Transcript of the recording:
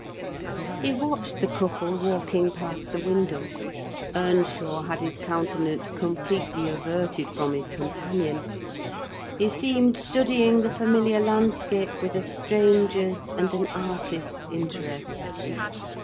He watched the couple walking past the window. Earnshaw had his countenance completely averted from his companion. He seemed studying the familiar landscape with a stranger's and an artist's interest.